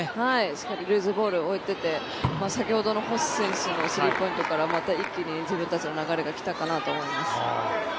しっかりとルーズボールを追えていて先ほどの星選手のスリーポイントから、また一気に自分たちの流れが来たかなと思います。